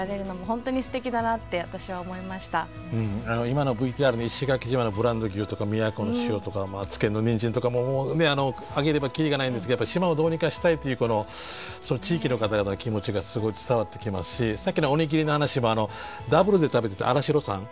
今のＶＴＲ石垣島のブランド牛とか宮古の塩とか津堅のにんじんとかもう挙げれば切りがないんですけどやっぱり島をどうにかしたいというこのその地域の方々の気持ちがすごい伝わってきますしさっきのおにぎりの話もダブルで食べてた新城さん。